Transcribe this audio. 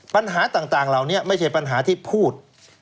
ปัญหาต่างเหล่านี้ไม่ใช่ปัญหาที่พูด